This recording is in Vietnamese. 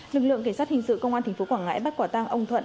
lực lượng kỳ sát hình sự công an thành phố quảng ngãi bắt quả tang ông thuận